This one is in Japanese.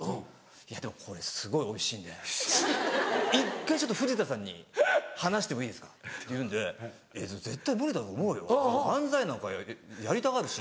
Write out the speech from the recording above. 「いやでもこれすごいおいしいんで１回藤田さんに話してもいいですか？」って言うんで「絶対無理だと思うよ漫才なんかやりたがるし」。